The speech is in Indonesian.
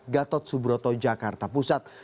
gatot subroto jakarta pusat